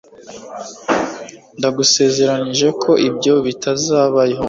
ndagusezeranije ko ibyo bitazabaho